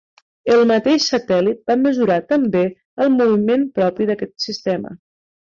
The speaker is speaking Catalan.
El mateix satèl·lit va mesurar també el moviment propi d'aquest sistema.